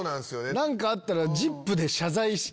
何かあったら。